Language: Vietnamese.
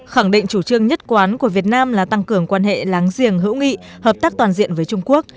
khẳng định chủ trương nhất quán của việt nam là tăng cường quan hệ láng giềng hữu nghị hợp tác toàn diện với trung quốc